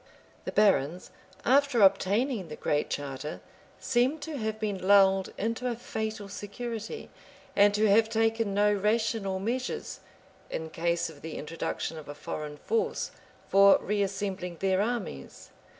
The barons, after obtaining the Great Charter, seem to have been lulled into a fatal security, and to have taken no rational measures, in case of the introduction of a foreign force, for reassembling their armies.